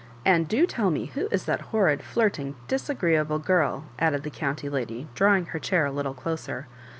And do tell me who is that horrid flirting disagreeable girl?" added the county lady, drawing her chair a little closer.